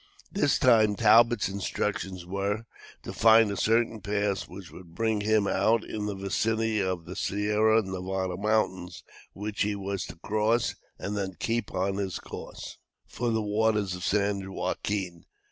This time, Talbot's instructions were, to find a certain pass which would bring him out in the vicinity of the Sierra Nevada Mountains, which he was to cross, and then keep on his course for the waters of the San Joaquin.